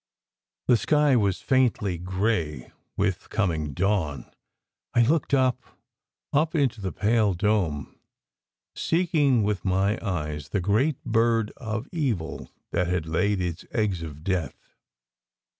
The sky was faintly gray with coming dawn. I looked up, up into the pale dome, seeking with my eyes the great bird of evil that had laid its eggs of death.